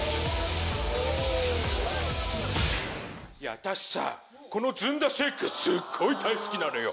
私さこのずんだシェークすっごい大好きなのよ。